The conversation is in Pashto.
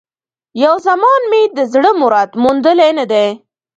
یو زمان مي د زړه مراد موندلی نه دی